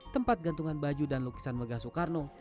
tempat gantungan baju dan lukisan megah soekarno